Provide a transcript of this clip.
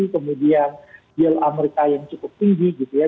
kemudian yield amerika yang cukup tinggi gitu ya